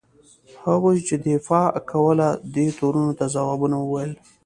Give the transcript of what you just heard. هغوی چې دفاع کوله دې تورونو ته ځوابونه وویل.